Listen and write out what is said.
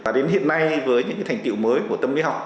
và đến hiện nay với những thành tiệu mới của tâm lý học